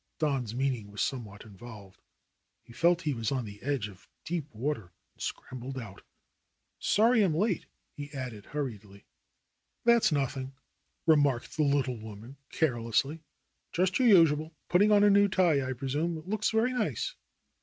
Don's meaning was somewhat involved. He THE ROSE COLORED WORLD 7 felt he was on the edge of deep water and scrambled out. "Sorry I am late/^ he added hurriedly. "That's nothing," remarked the little woman care lessly. "Just your usual. Putting on a new tie, I pre sume. It looks very nice."